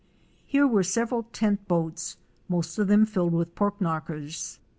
Here were several tent boats, most of them filled with " pork knockers."